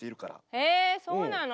えそうなの？